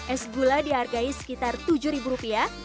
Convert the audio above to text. es gula dihargai sekitar tujuh ribu rupiah